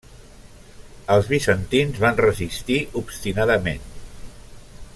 Els bizantins van resistir obstinadament.